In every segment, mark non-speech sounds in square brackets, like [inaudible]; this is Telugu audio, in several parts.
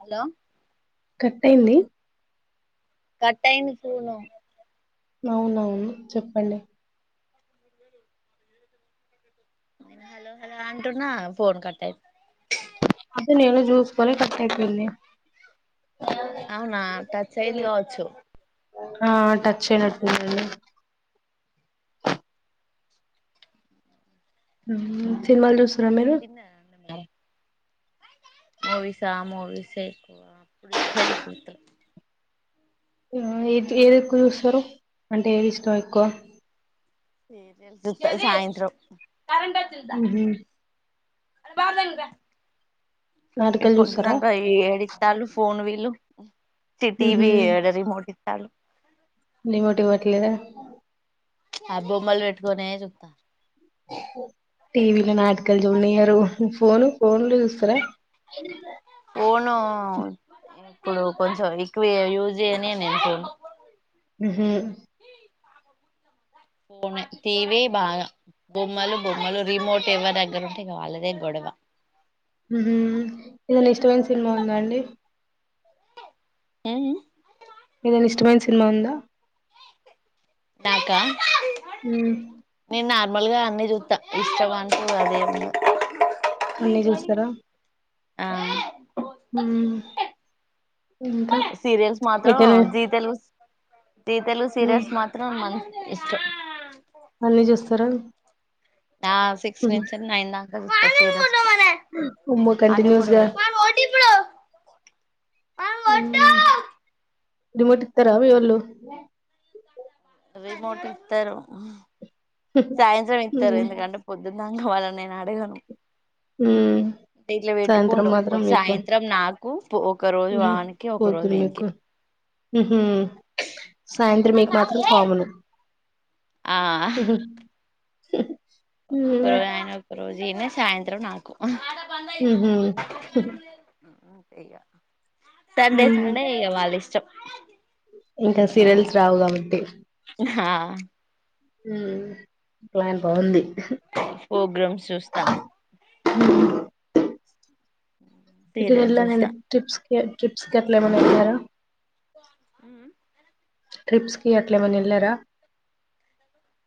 హలో కట్ అయింది కట్ అయింది చూడు అవునవును చెప్పండి. హలో హలో అంటూన్నా ఫోన్ కట్ అయి నేను చూసుకోలే కట్ అయిపోయింది అవునా టచ్ అయింది కావచ్చు ఆ టచ్ అయినట్టుందండి ఉ సినిమాలు చూ తిన్నారా అన్నం మూవిసా మూవిసే ఎక్కువ అప్పుడు చూసేది ఇప్పుడు తక్కు ఉ ఏది ఎక్కువ చూస్తారు అంటే ఏది ఇష్టం ఎక్కువ సీరియల్స్ చూత సాయంత్రం కరెంటోచ్చింది దా మ్హూ. అే బారుదాంద నాటకాలు ఇప్పుడు చూస్తారా దంక ఏడితాలు పోన్ పి లు సిటీ మ్హూ. వి ఆడ రిమోట్ ఇ చాలు రిమోట్ ఇవ్వట్లేదా ఆ బొమ్మల్ బేట్కోనే చూతర్ టీవీలో నాటికలు చూడనియ్యారు ఫోను ఫోన్లు చూస్తార ఫోను ఇప్పుడు కొంచెం ఎక్కువ యూజ్ చేయ్యనిను నేను పోను ఉహు ఫోనే టీవీ బాగా బొమ్మలు బొమ్మలు రిమోట్ ఎవ్వ దగ్గర ఉంటే వాళ్ళదే గొడవ ఉహు ఏదనా ఇష్టమైన సినిమా ఉందా అండి ఆ ఏదైనా ఇష్టమైన సినిమా ఉందా నాకా ఉ నేను నార్మల్గా అన్నీ చూస్తా ఇష్టం అంటు అదేం ఉండదు అన్నీ చూస్తారా ఆ ఉ సీరియల్స్ మాత్రం జీ తెలుగు జి తెలుగు మ్మ్. సీరియల్స్ మాత్రం మన్ ఇష్ట అన్నీ చూస్తారా ఆ సిక్స్ నుంచి నైందకా [unintelligible] ఉమ్మో అన్ని కంటిన్యూస్ కూడా గా కొడతా మ్మ్. రిమోట్ ఇతారా మీ వోళ్ళు రిమోట్ ఇతరు సాయంత్రం ఇతారు ఎందుకంటే పొద్దున గ వాళ్ళనీ నేను అడగను ఉ ఇట్లా పెట్టుకుండు సాయంత్రం నాకు పో ఒక రోజు వానికి ఒక రోజు వీనికి ఉ సాయంత్రం మీకు మాత్రం కామును ఉహ్ ఒకరోజు అయన ఒక రోజు నినే సాయంత్రం నాకు ఊహు ఉహ్ ఇగా సండే సండే ఇగ వాళ్ళ ఇష్టం అలగు ఇంకా సీరియల్స్ రావు కాబట్టి ఆహ ఉమ్ ప్లాన్ బాగుంది ఫోగ్రామ్స్ చూస్తా ఇది సీరియల్ చూస్తా వెళ్లనండి టిప్స్ ఏ ట్రిప్స్ కి అట్ల ఏమన్నా వెళ్ళారా అ [unintelligible] ట్రిప్స్ కి అట్ల ఏమన్నా వెళ్ళారా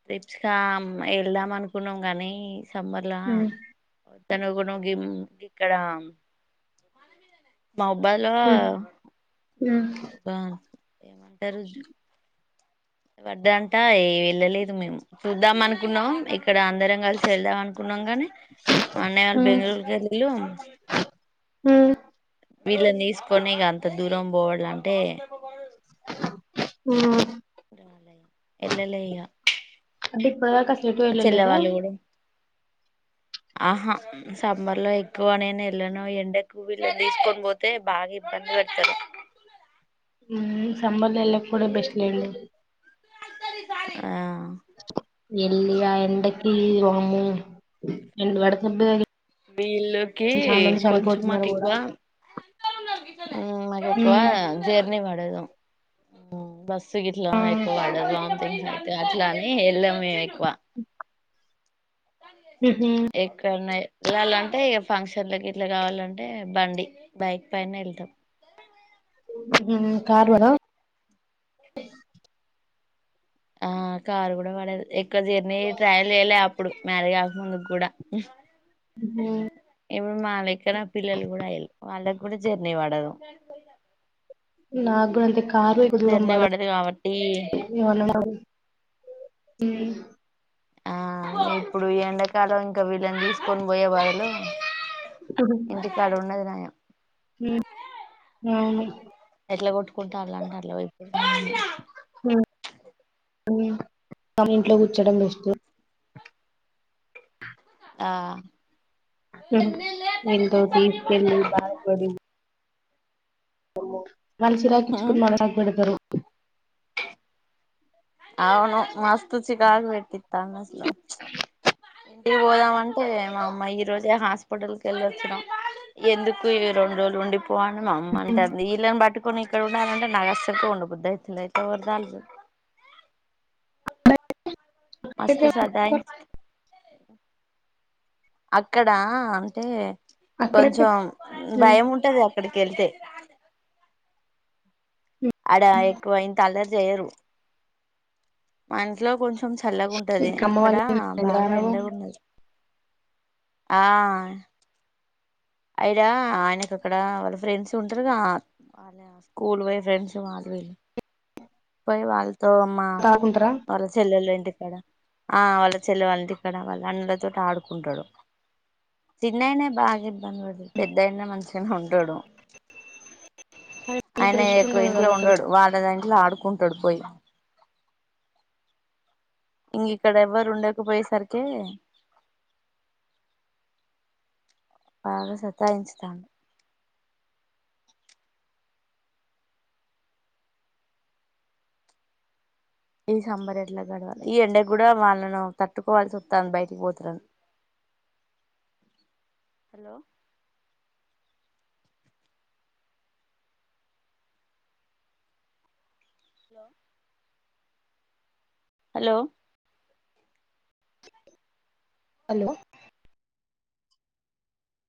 ట్రిప్స్ క ఆ వెళ్దాం అనుకున్నాం గానీ సమ్మర్లా మ్మ్. తన గుడు ప్రోగీమ్ ఎక్కడ మొబైల్లో మ్మ్. మ్మ్. బ ఏమ [unintelligible] తెరుజు [inaudible] అనుకున్నాం గాని అన్నయ్య వాళ్ళ బెంగళూరుకి వెల్లిన్లు ఉ వీళ్ళని తీసుకొని ఇగ అంత దూరం బోవాలంటే ఉ ఎల్లలే ఇగ అంటే ఇప్పటిదాకా ఎటు మా వెళ్ళ చెల్లె లేదా వాళ్ళు కూడా ఆహా సమ్మర్ లో ఎక్కువ నేను ఏళ్లను ఎండకు వీళ్ళను తీసుకొని పోతే బాగా ఇబ్బంది వెడతారు ఉ సమ్మర్ ల ఎలా కూడా బెస్ట్లెండి ఆ ఎళ్లియ ఎండకి వామ్మో ఎండ్ వడదెబ్బ తగిలిన్ [inaudible] ఉ చనిపోతున్నారు కూడా బస్ సిగట్లు ఎక్కువ పడదు వోంథింగ్స్ అయ్యితాయీ అట్ల అని ఏ ఎలాము మేము ఎక్కువ ఉహు ఎక్కడ నయితే వెళ్ళాలంటే యాఫంక్షన్లకి ఇట్లా కావాలంటే బండి బైక్ పైన వెళ్తాం మ్మ్ కార్ లోన ఆ కారు కూడా పడదు ఎక్ ఒక జర్నీ ట్రాయల్ జాయలే అప్ ఇప్పుడు మ్యారీకాకా ముందుకు కూడా మ్మ్ హ్మ్ ఇప్పుడు మాలక్కన పిల్లు కూడా ఎల్ వాళ్ళకి కూడా జర్నీ పడదు నాకు కూడా అనతే కార్ ఎక్కువ దూరం జర్నీ పడదు కాబట్టి మ్మ్ ఆ ఇప్పుడు ఈ ఎండాకలాం ఇంకా వీళ్ళని తీసుకొని పోయే బదులు ఇంటికడా ఉన్నది నాయం మ్మ్ ఎట్లా కొట్టుకుంటారు ఆ అందరిలో ఇప్పుడు అవునా మన ఇంట్లో కూర్చడం బెస్ట్ ఆ మ్మ్ విడు తీస్కెళ్లి బాధపడి అమ్మో మనిషి రాకించుకుని మునాగకు పెడతారు ంది [inaudible] అవును మస్తు చికకు పెట్టిస్తాడ్రు అసల ఇంటికి పోదాం అంటే మా అమ్మాయి ఈ రోజే హాస్పిటల్ కి వెళ్ళి వచ్చినం ఎందుకు ఈ రెండు రోజులు ఉండి [unintelligible] కొన్ని ఇక్కడ ఉండంటే నాకుసలకే ఉండ బుద్ధి అయితలేదు మస్తు అక్కడైతే సతాయించి అక్కడా అంటే అక్కడైతే కొంచం మ్మ్ భయం ఉంటది అక్కడికి కెల్తే అడ ఎక్కువ ఇంత అల్లరి చెయరు మ ఇట్లో కొంచం చల్లగుంటది ఇంక అమ్మ ఇక్కడ వాళ్ళ ఇంటికి బాగా రారాదు ఎండగా ఉన్నది ఆ అయ్యా ఆయనకి అక్కడ వాళ్ళు ఫ్రెండ్స్ ఉంటారుగా వాళ్ళ స్కూల్ పోయ ఫ్రెండ్స్ వాళ్ళు వీళ్ళు పోయి వాళ్ళు తో అమ్ మా తాగుకుంటరా వాళ్ల చెల్లెలుంటి ఆ వాళ్ళ చెల్లె వాళ్ళ ఇక్కడ వాళ్ళ అందరితోటి ఆడుకుంటాడు చిన్నైనే బాగా దు పెద్దయినా మంచి ఉండడు మీకు ఆయన రెస్ట్ ఎక్కువ ఉండదు ఇంట్లో కదా అక్కడికి ఉండడు వాళ్ళ దా ఇట్లా ఆడుకుంటడు పోయి ఇంగ ఇక్కడ ఎవరు ఉండకపోయే సరికే బాగా సతాయించుతాండు ఈ సమ్మర్ ఎట్ల గడవాలో ఈ ఎండకూడా వాళ్ళను తట్టుకోవాల్సివస్తుంది బయటికి పోతరని హలో హలో హలో హలో